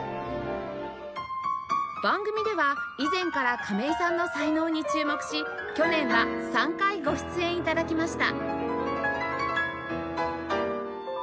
番組では以前から亀井さんの才能に注目し去年は３回ご出演頂きました